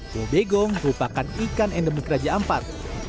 wobegong merupakan ikan endemun raja ampat